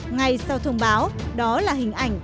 ngay sau thông báo đó là hình ảnh